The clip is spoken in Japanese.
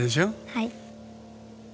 はい。